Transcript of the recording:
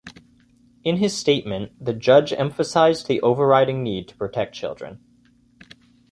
In his statement, the judge emphasised the overriding need to protect children.